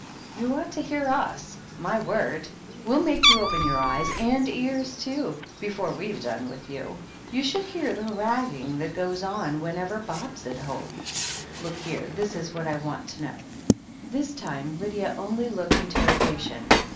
You ought to hear its! My word! we'll make you open your eyes — and ears too— before we've done with you. You should just hear the ragging that goes on whenever Bob's at home. Look here, this is what I want to know." This time Lydia only looked interrogation.